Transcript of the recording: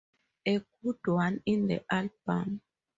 A good one in the album.